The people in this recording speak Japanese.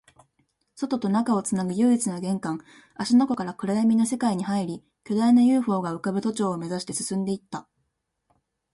外と中をつなぐ唯一の玄関、芦ノ湖から暗闇の世界に入り、巨大な ＵＦＯ が浮ぶ都庁を目指して進んでいった